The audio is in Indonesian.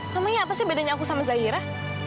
kamunya apa sih bedanya aku sama zaira